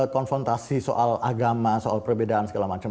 konfrontasi soal agama soal perbedaan segala macam